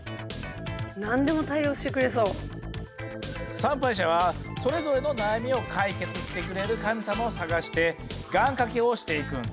参拝者はそれぞれの悩みを解決してくれる神様を探して願かけをしていくんだ。